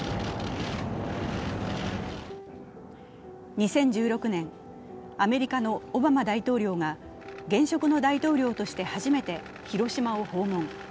２０１６年、アメリカのオバマ大統領が現職の大統領として初めて広島を訪問。